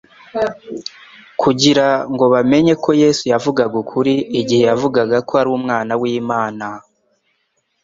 kugira ngo bamenye ko Yesu yavugaga ukuri igihe yavugaga ko ari Umwana w'Imana.